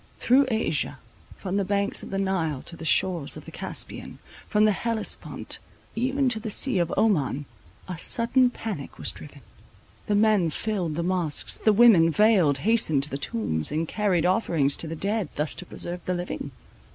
Through Asia, from the banks of the Nile to the shores of the Caspian, from the Hellespont even to the sea of Oman, a sudden panic was driven. The men filled the mosques; the women, veiled, hastened to the tombs, and carried offerings to the dead, thus to preserve the living.